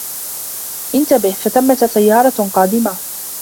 انتبه فثمّة سيارة قادمة!